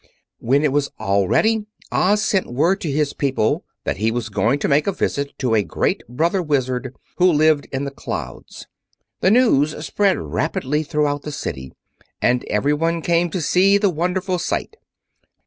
When it was all ready, Oz sent word to his people that he was going to make a visit to a great brother Wizard who lived in the clouds. The news spread rapidly throughout the city and everyone came to see the wonderful sight.